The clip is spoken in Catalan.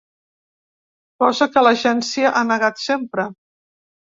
Cosa que l’agència ha negat sempre.